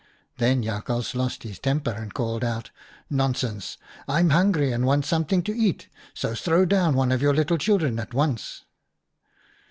" Then Jakhals lost his temper, and called out, * Nonsense, I'm hungry and want some thing to eat, so throw down one of your little children at once.'